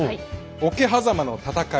桶狭間の戦い